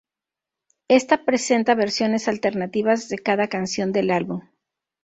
Esta presenta versiones alternativas de cada canción del álbum.